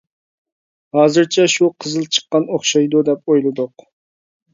ھازىرچە شۇ قىزىل چىققان ئوخشايدۇ دەپ ئويلىدۇق.